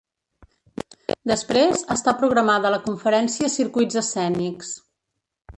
Després, està programada la conferència Circuits escènics.